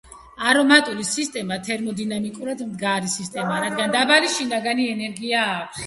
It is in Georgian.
არომატული სისტემა თერმოდინამიკურად მდგრადი სისტემაა, რადგან დაბალი შინაგანი ენერგია აქვს.